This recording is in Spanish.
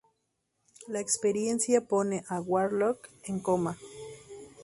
La experiencia pone a Warlock en coma.